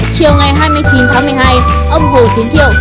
chiều ngày hai mươi chín tháng một mươi hai ông hồ tiến thiệu